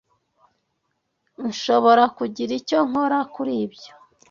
Nshobora kugira icyo nkora kuri ibyo.